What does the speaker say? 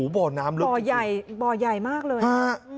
บ่อน้ำลึกบ่อใหญ่มากเลยค่ะ